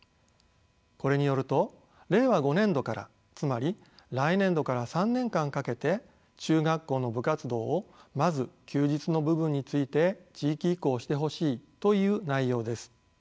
これによると令和５年度からつまり来年度から３年間かけて中学校の部活動をまず休日の部分について地域移行してほしいという内容です。